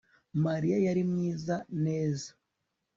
mariya yari mwiza. neza